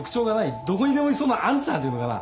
どこにでもいそうなあんちゃんっていうのかな？